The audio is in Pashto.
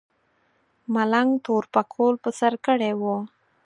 ملنګ تور پکول په سر کړی و.